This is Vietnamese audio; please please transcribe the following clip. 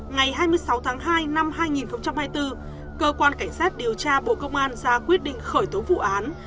ngày hai mươi sáu tháng hai năm hai nghìn hai mươi bốn cơ quan cảnh sát điều tra bộ công an ra quyết định khởi tố vụ án